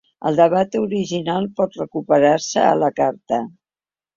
El debat original pot recuperar-se a la carta.